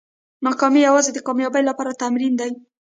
ناکامي یوازې د کامیابۍ لپاره تمرین دی.